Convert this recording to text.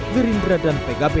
gerindra dan pkb